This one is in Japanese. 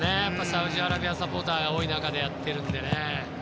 サウジアラビアサポーターが多い中でやっているので。